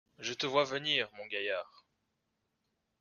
Je te vois venir, mon gaillard.